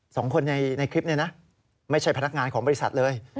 สองคนในคลิปนี้นะไม่ใช่พนักงานของบริษัทเลย